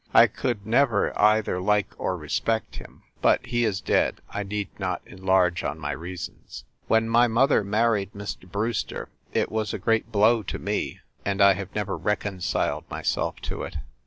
I could never either like or respect him. But he is dead I need not enlarge on my reasons. When my mother mar ried Mr. Brewster it was a great blow to me, and I have never reconciled myself to it.